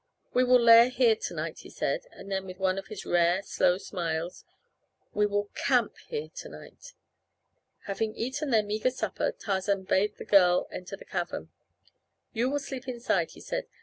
"We will lair here tonight," he said, and then with one of his rare, slow smiles: "We will CAMP here tonight." Having eaten their meager supper Tarzan bade the girl enter the cavern. "You will sleep inside," he said.